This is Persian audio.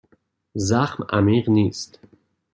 زخم عمیق نیست.